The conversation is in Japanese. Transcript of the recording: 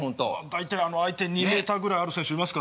大体相手２メーターぐらいある選手いますからね。